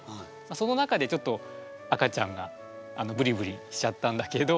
その中でちょっと赤ちゃんがブリブリしちゃったんだけど